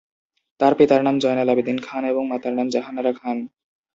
তার পিতার নাম জয়নাল আবেদীন খান এবং মাতার নাম জাহানারা খান।